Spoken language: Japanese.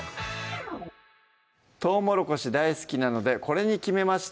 とうもろこし大好きなのでこれに決めました